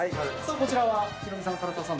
こちらはヒロミさん唐沢さん